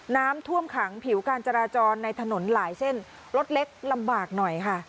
น้ำท่วมขังผิวการจราจรในถนนหลายเส้นรถเล็กลำบากหน่อยค่ะ